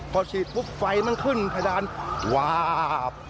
พอฉีดปุ๊บไฟมันขึ้นเพดานวาบ